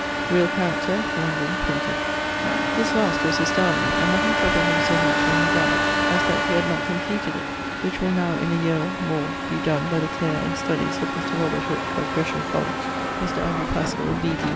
Reall Character: London, printed.... This last was his darling, and nothing troubled him so much when he dyed, as that he had not compleated it; which will now in a yeare more be donne by the care and studies of Mr. Robert Hooke, of Gresham College; Mr. Andrew Paschall, B.D.